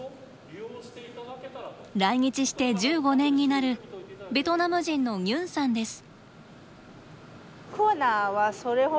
来日して１５年になるベトナム人のニュンさんです。